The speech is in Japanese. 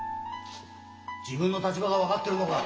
自分の立場が分かってるのか？